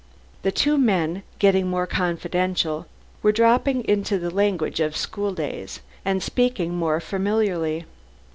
The two men, getting more confidential, were dropping into the language of school days and speaking more familiarly.